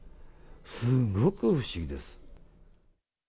すごく不思議です。